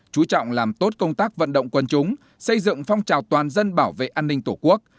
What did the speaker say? chú trọng làm tốt công tác vận động quân chúng xây dựng phong trào toàn dân bảo vệ an ninh tổ quốc